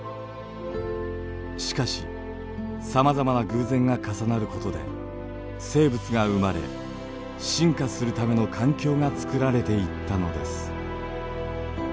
しかしさまざまな偶然が重なることで生物が生まれ進化するための環境がつくられていったのです。